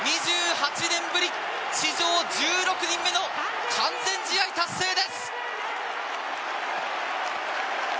２８年ぶり史上１６人目の完全試合達成です。